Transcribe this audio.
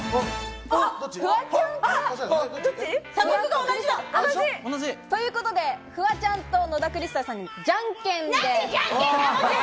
フワちゃんか、どっち？ということで、フワちゃんと野田クリスタルさん、じゃんけんで。